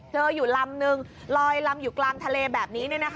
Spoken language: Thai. อยู่ลำนึงลอยลำอยู่กลางทะเลแบบนี้